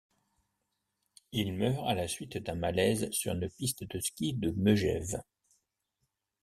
Il meurt à la suite d'un malaise sur une piste de ski de Megève.